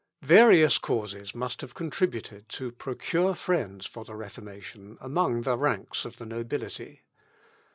Various causes must have contributed to procure friends for the Reformation among the ranks of the nobility.